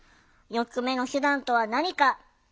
４つ目の手段とは何か？